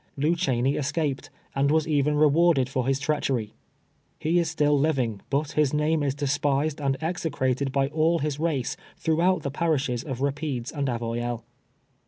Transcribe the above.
Lew Che ney escaped, and was even rewarded for his treachery, lie is still living, but his name is despised and exe crated l)y all his race throughout the i)arishes of Kapides and Avoyelles.